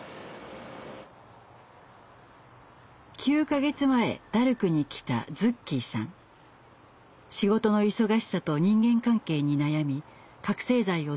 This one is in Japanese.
９か月前ダルクに来た仕事の忙しさと人間関係に悩み覚せい剤を使うようになりました。